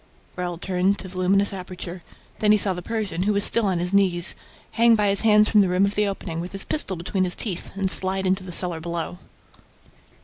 Raoul turned to the luminous aperture. Then he saw the Persian, who was still on his knees, hang by his hands from the rim of the opening, with his pistol between his teeth, and slide into the cellar below.